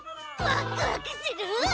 ワクワクする！